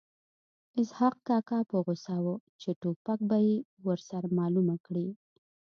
اسحق کاکا په غوسه و چې په ټوپک به یې ورسره معلومه کړي